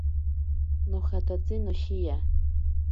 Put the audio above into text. Nojatatsi noshiya.